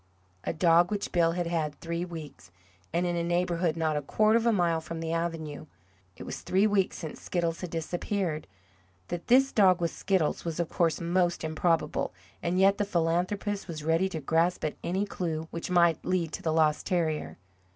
A dog which Bill had had three weeks and in a neighbourhood not a quarter of a mile from the avenue. It was three weeks since Skiddles had disappeared. That this dog was Skiddles was of course most improbable, and yet the philanthropist was ready to grasp at any clue which might lead to the lost terrier.